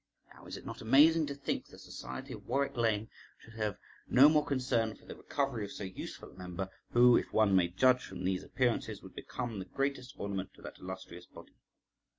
Now is it not amazing to think the society of Warwick Lane should have no more concern for the recovery of so useful a member, who, if one may judge from these appearances, would become the greatest ornament to that illustrious body?